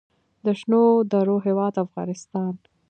د شنو درو هیواد افغانستان.